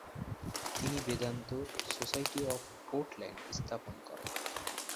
তিনি Vedanta Society of Portland স্থাপন করেন।